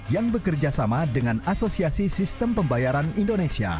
yang bekerjasama dengan asosiasi sistem pembayaran indonesia